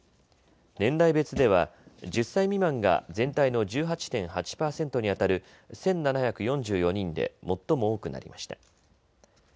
年代別では１０歳未満が全体の１８．８％にあたる１７４４人で最も多くなりました。